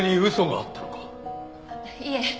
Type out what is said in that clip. いえ。